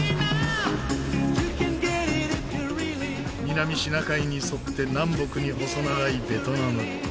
南シナ海に沿って南北に細長いベトナム。